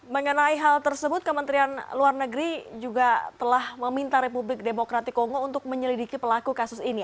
mengenai hal tersebut kementerian luar negeri juga telah meminta republik demokratik kongo untuk menyelidiki pelaku kasus ini